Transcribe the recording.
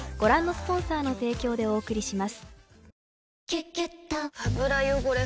「キュキュット」油汚れ